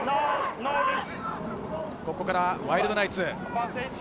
ここからワイルドナイツ。